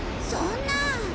そんなぁ。